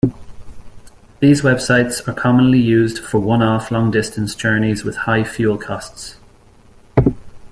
These websites are commonly used for one-off long-distance journeys with high fuel costs.